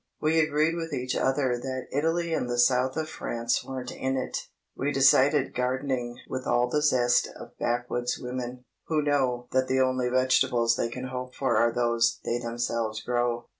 We agreed with each other that Italy and the South of France weren't in it. We started gardening with all the zest of backwoods women, who know that the only vegetables they can hope for are those they themselves grow.